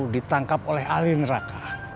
ditangkap oleh ahli neraka